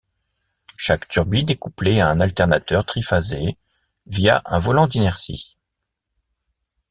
Chaque turbine est couplée à un alternateur triphasé, via un volant d'inertie.